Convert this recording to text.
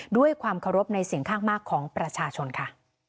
ด้วยความเคารพในเสียงข้างมากของประชาชนค่ะ